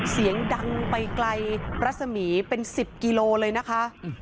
เสียงดังไปไกลรัศมีเป็น๑๐กิโลเลยนะคะ